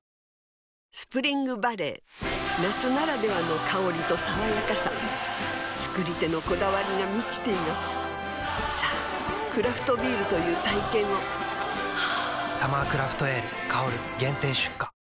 スプリングバレー夏ならではの香りと爽やかさ造り手のこだわりが満ちていますさぁクラフトビールという体験を「サマークラフトエール香」限定出荷